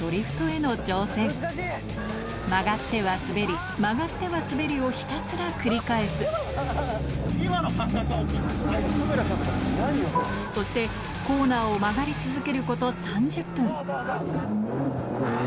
曲がっては滑り曲がっては滑りをひたすら繰り返すそしてコーナーをはい引いて！